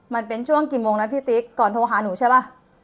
มันเป็นช่วงกี่โมงนะพี่ติ๊กก่อนโทรหาหนูใช่ป่ะ